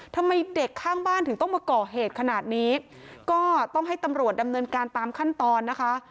ทำไมเด็กข้างบ้านถึงต้องมาก่อเหตุขนาดนี้ก็ต้องให้ตำรวจดำเนินการตามขั้นตอนนะคะ